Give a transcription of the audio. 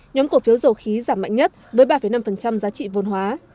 nhóm cổ phiếu dầu khí giảm mạnh nhất với ba năm giá trị vôn hóa